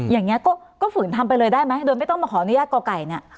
อย่างนี้ก็ฝืนทำไปเลยได้ไหมโดยไม่ต้องมาขออนุญาตก่อไก่เนี่ย